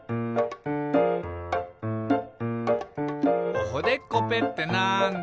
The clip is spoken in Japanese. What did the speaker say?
「おほでっこぺってなんだ？」